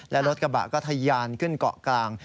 และรถกระบะก็ทะยานขึ้นเกาะกลาง